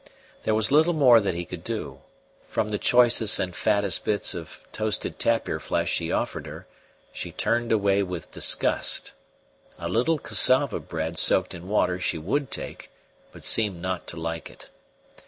There was little more that he could do. From the choicest and fattest bits of toasted tapir flesh he offered her she turned away with disgust. A little cassava bread soaked in water she would take, but seemed not to like it.